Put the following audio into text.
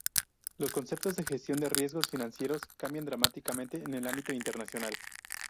Los conceptos de gestión de riesgos financieros cambian dramáticamente en el ámbito internacional.